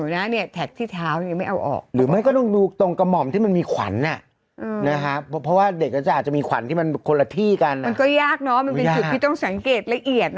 มันคนละที่กันมันก็ยากเนอะมันเป็นจุดที่ต้องสังเกตละเอียด